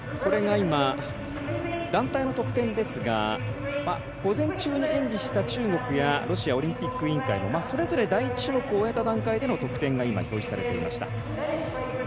団体の得点ですが午前中に演技した中国やロシアオリンピック委員会それぞれ第１種目を終えた時点の得点が今、表示されていました。